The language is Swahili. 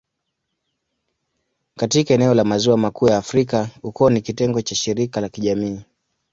Katika eneo la Maziwa Makuu ya Afrika, ukoo ni kitengo cha shirika la kijamii.